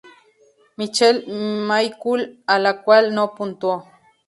Michelle McCool, a la cual no puntuó.